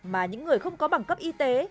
mà những người không có bằng cấp y tế